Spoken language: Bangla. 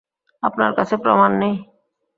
আপনার কাছে প্রমাণ নেই।